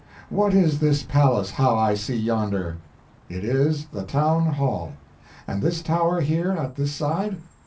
What is this palace how I see yonder? It is the town hall. And this tower here at this side?